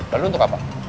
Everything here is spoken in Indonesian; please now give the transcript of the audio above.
lalu untuk apa